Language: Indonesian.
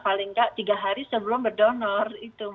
paling tidak tiga hari sebelum berdonor